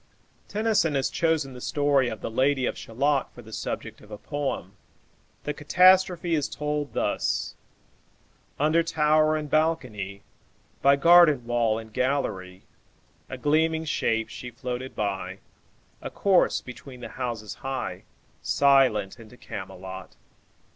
Tennyson has chosen the story of the "Lady of Shalott" for the subject of a poem. The catastrophe is told thus: "Under tower and balcony, By garden wall and gallery, A gleaming shape she floated by, A corse between the houses high, Silent into Camelot.